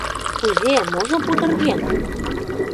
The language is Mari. Кузе, можо пудырген?